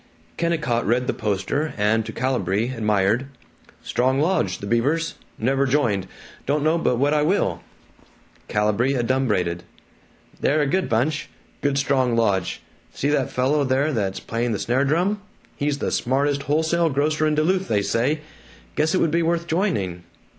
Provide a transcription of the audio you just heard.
Kennicott read the poster and to Calibree admired, "Strong lodge, the Beavers. Never joined. Don't know but what I will." Calibree adumbrated, "They're a good bunch. Good strong lodge. See that fellow there that's playing the snare drum? He's the smartest wholesale grocer in Duluth, they say. Guess it would be worth joining.